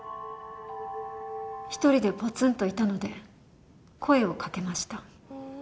１人でポツンといたので声をかけました。